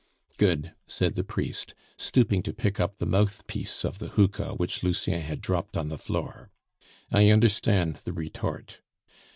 "Good!" said the priest, stooping to pick up the mouthpiece of the hookah which Lucien had dropped on the floor. "I understand the retort.